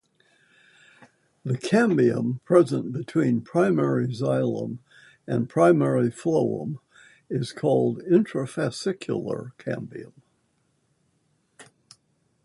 The cambium present between primary xylem and primary phloem is called "intrafasicular" cambium.